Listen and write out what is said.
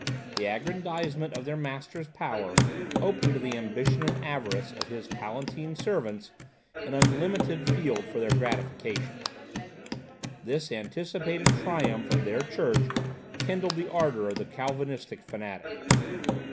The aggrandizement of their master's power opened to the ambition and avarice of his Palatine servants an unlimited field for their gratification; this anticipated triumph of their church kindled the ardour of the Calvinistic fanatic.